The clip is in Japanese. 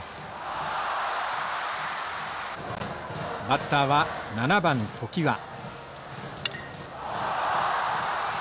バッターは７番常盤。